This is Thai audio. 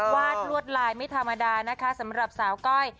วาดลวดลายไม่ธรรมดานะคะสำหรับสาวก้อย